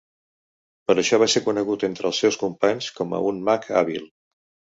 Per això, va ser conegut entre els seus companys com a un mag hàbil.